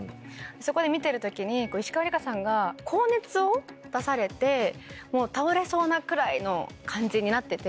そこで見てる時に石川梨華さんが高熱を出されてもう倒れそうなくらいの感じになってて。